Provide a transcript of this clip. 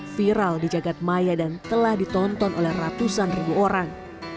viral di jagadmaya dan telah ditonton oleh ratusan ribu orang